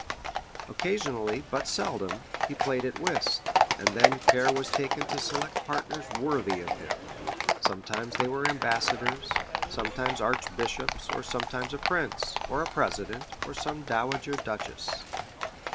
Occasionally, but seldom, he played at whist, and then care was taken to select partners worthy of him—sometimes they were ambassadors, sometimes archbishops, or sometimes a prince, or a president, or some dowager duchess.